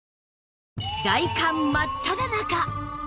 大寒真っただ中！